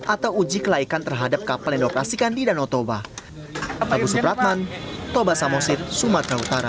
atau uji kelaikan terhadap kapal yang dioperasikan di danau toba